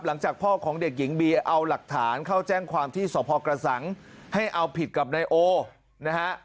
หลังจากพ่อของเด็กหญิงเบียเอาหลักฐานเข้าแจ้งความที่สพกระสังให้เอาผิดกับนายโอนะฮะ